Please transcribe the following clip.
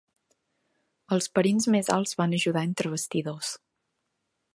Els parents més alts van ajudar entre bastidors.